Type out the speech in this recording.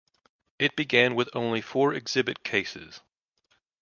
It began with only four exhibit cases.